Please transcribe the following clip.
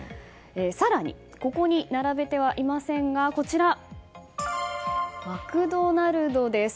更に、ここに並べてはいませんがマクドナルドです。